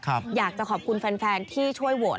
อยากจะขอบคุณแฟนแฟนที่ช่วยโหวต